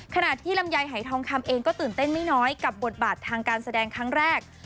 ขณะที่ลำไยหายทองคำเองก็ตื่นเต้นไม่น้อยกับบทบาททางการแสดงครั้งแรก